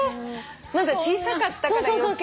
まだ小さかったから余計。